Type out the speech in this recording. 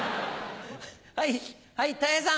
はいたい平さん。